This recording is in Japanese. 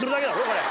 これ。